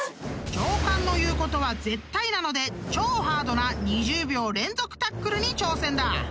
［上官の言うことは絶対なので超ハードな２０秒連続タックルに挑戦だ］